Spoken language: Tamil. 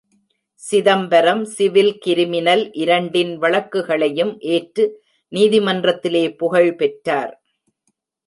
சிதம்பரம், சிவில் கிரிமினல் இரண்டின் வழக்குகளையும் ஏற்று நீதிமன்றத்திலே புகழ் பெற்றார்.